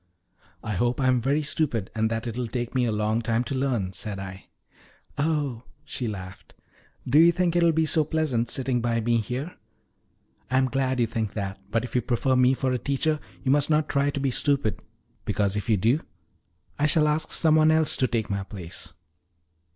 "I hope I am very stupid, and that it will take me a long time to learn," said I. "Oh" she laughed "do you think it will be so pleasant sitting by me here? I am glad you think that; but if you prefer me for a teacher you must not try to be stupid, because if you do I shall ask some one else to take my place."